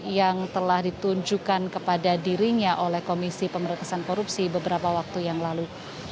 yang telah ditunjukkan kepada dirinya oleh komisi pemerintahan korupsi beberapa waktu yang lalu